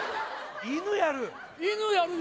・犬やる？